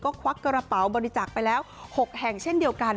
ควักกระเป๋าบริจาคไปแล้ว๖แห่งเช่นเดียวกัน